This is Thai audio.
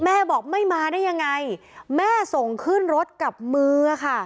แม่บอกไม่มาได้ยังไงแม่ส่งขึ้นรถกับมือค่ะ